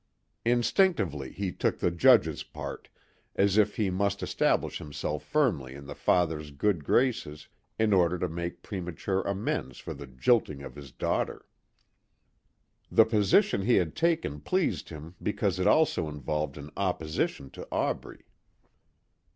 Instinctively he took the judge's part, as if he must establish himself firmly in the father's good graces in order to make premature amends for the jilting of his daughter. The position he had taken pleased him because it also involved an opposition to Aubrey.